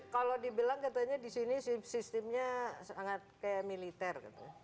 kalau dibilang katanya di sini sistemnya sangat kayak militer